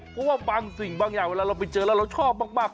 เพราะว่าบางสิ่งบางอย่างเวลาเราไปเจอแล้วเราชอบมาก